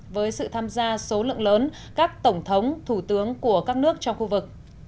với sự tham gia số lượng lớn các tổng thống thủ tướng của các nước trong khu vực